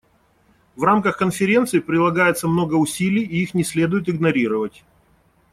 В рамках Конференции прилагается много усилий, и их не следует игнорировать.